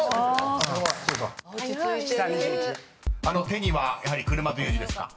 ［手にはやはり「車」という字ですか？］